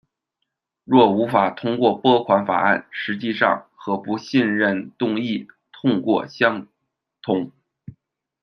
若无法通过拨款法案，实际上和不信任动议痛过相同。